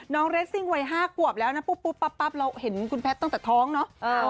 เรสซิ่งวัย๕ขวบแล้วนะปุ๊บปั๊บเราเห็นคุณแพทย์ตั้งแต่ท้องเนาะ